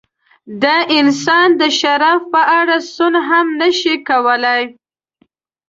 د انسان د شرف په اړه سوڼ هم نشي کولای.